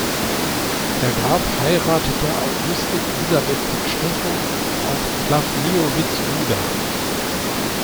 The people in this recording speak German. Der Graf heiratete Auguste Elisabeth von Stechow auf Plawniowitz-Ruda.